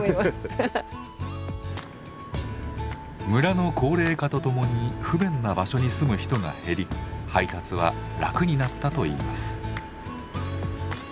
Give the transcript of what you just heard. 村の高齢化とともに不便な場所に住む人が減り配達は楽になったといいます。